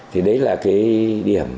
thì đấy là cái điểm